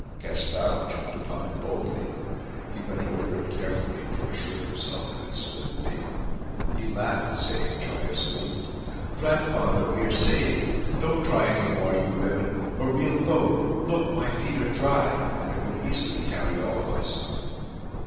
Gaspard jumped upon it boldly. He went over it carefully, to assure himself of its solidity. He laughed, saying joyously: "Grandfather, we are saved! Don't cry any more, you women. A real boat! Look, my feet are dry. And it will easily carry all of us!"